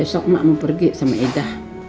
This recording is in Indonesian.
esok emak mau pergi sama eda